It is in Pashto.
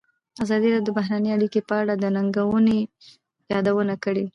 ازادي راډیو د بهرنۍ اړیکې په اړه د ننګونو یادونه کړې.